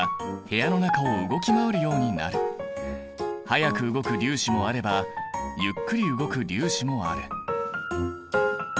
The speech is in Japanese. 速く動く粒子もあればゆっくり動く粒子もある。